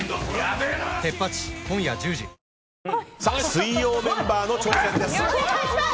水曜メンバーの挑戦です！